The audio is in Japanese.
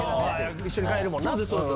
一緒に通えるもんな。